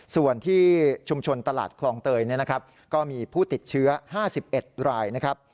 ส่วนที่ชุมชนตลาดคลองเตยก็มีผู้ติดเชื้อ๕๑รายนะครับ